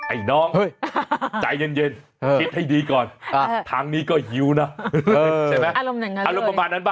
ไอ้น้องใจเย็นคิดให้ดีก่อนทางนี้ก็หิวนะใช่ไหมอารมณ์ประมาณนั้นป่ะ